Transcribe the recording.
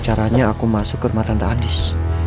caranya aku masuk ke rumah tante